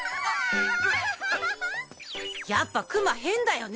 やっぱクマ変だよね？